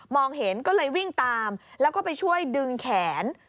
เห็นก็เลยวิ่งตามแล้วก็ไปช่วยดึงแขน